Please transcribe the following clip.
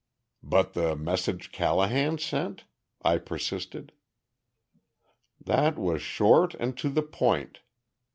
"But the message Callahan sent?" I persisted. "That was short and to the point.